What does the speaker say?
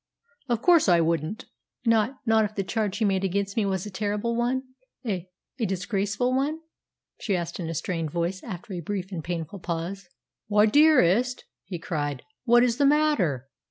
"Of course I wouldn't." "Not not if the charge he made against me was a terrible one a a disgraceful one?" she asked in a strained voice after a brief and painful pause. "Why, dearest!" he cried, "what is the matter?